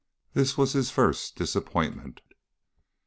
This was his first disappointment.